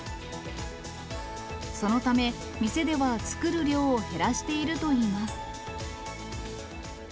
そのため、店では作る量を減らしているといいます。